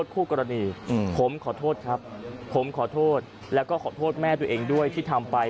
ผมขอโทษแล้วก็ขอโทษแม่ตัวเองด้วยที่ทำไป